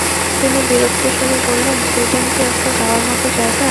তিনি বিরক্ত স্বরে বললেন, সুইডেন কি একটা যাওয়ার মতো জায়গা?